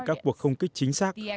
các cuộc không kích chính xác